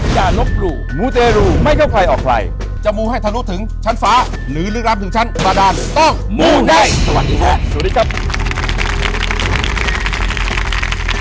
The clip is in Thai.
จะนบรูมูเตรลูไม่เท่าไหร่ออกไหลจะมูให้ทะลุถึงชั้นฟ้าหรือลึกล้ามถึงชั้นประดานต้องมูได้สวัสดีครับ